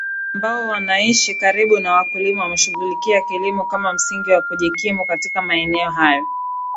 ambao wanaishi karibu na wakulima wameshughulikia kilimo kama msingi wa kujikimu Katika maeneo hayo